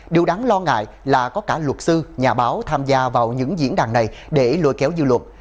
điều đáng lo ngại là có cả luật sư nhà báo tham gia vào những diễn đàn này để lôi kéo dư luận